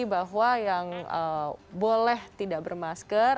bahwa yang boleh tidak bermasker